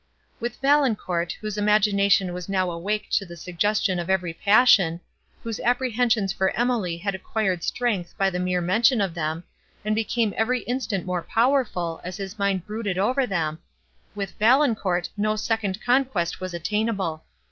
With Valancourt, whose imagination was now awake to the suggestion of every passion; whose apprehensions for Emily had acquired strength by the mere mention of them, and became every instant more powerful, as his mind brooded over them—with Valancourt no second conquest was attainable.